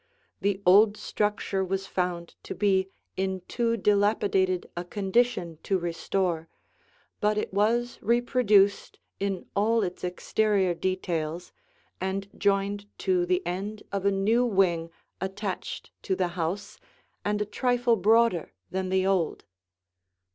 The old structure was found to be in too dilapidated a condition to restore, but it was reproduced in all its exterior details and joined to the end of a new wing attached to the house and a trifle broader than the old.